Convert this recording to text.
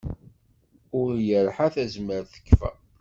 Ul irḥa tazmert tekfa.